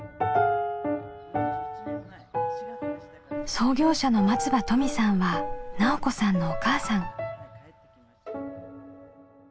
創業者の松場登美さんは奈緒子さんのおかあさん。